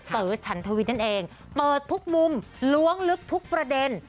เต๋อฉันทวิทย์นั่นเองเปิดทุกมุมล้วงลึกทุกประเด็น